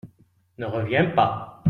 Ne reviens pas !